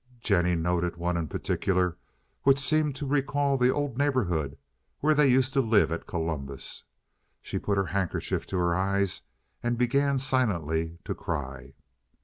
Jennie noted one in particular which seemed to recall the old neighborhood where they used to live at Columbus; she put her handkerchief to her eyes and began silently to cry.